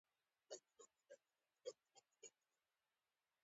او همدارنګه